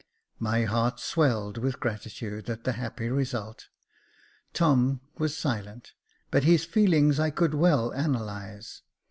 My heart swelled with gratitude at the happy result. Tom was silent, but his feelings I could well analyse.